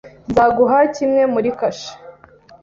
Nzaguha kimwe muri kashe.